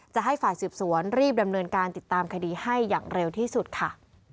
จะให้ฝ่ายสืบสวนรีบดำเนินการติดตามคดีให้อย่างเร็วที่สุดค่ะ